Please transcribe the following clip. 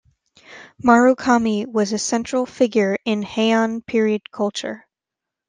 Murakami was a central figure in Heian period culture.